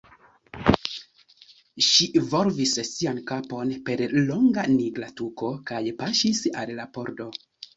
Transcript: Ŝi volvis sian kapon per la longa nigra tuko kaj paŝis al la pordo.